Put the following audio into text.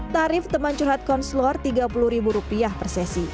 tarif teman curhat konslor rp tiga puluh per sesi